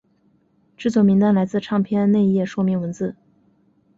制作名单来自唱片内页说明文字。